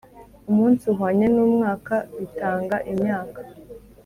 Umunsi uhwanye n umwaka Bitanga imyaka